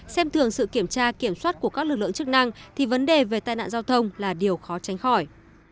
xem thường sự kiểm tra kiểm soát của các lực lượng chức năng thì vấn đề về tai nạn giao thông là điều khó tránh khỏi